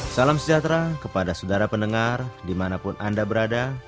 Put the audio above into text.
salam sejahtera kepada saudara pendengar dimanapun anda berada